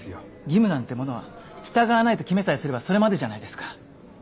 義務なんてものは従わないと決めさえすればそれまでじゃないですか。